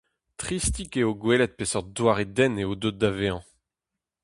Tristik eo gwelet peseurt doare den eo deuet da vezañ.